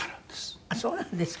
ああそうなんですか？